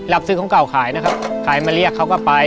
รับซื้อของเก่าขายนะครับขายมาเรียกเขาก็ไป